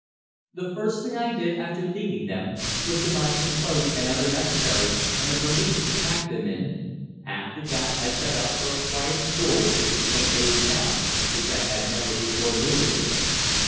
The first thing I did after leaving them was to buy some clothes and other necessaries, and a valise to pack them in. After that I set out for a quiet stroll through the quaint old town, which I had never before visited.